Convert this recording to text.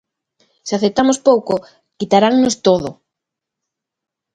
Se aceptamos pouco, quitarannos todo.